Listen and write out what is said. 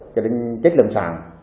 cho đến chết lên sàn